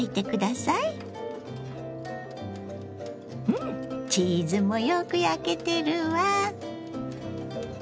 うんチーズもよく焼けてるわ！